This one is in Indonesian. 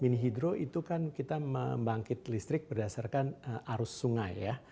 mini hidro itu kan kita membangkit listrik berdasarkan arus sungai ya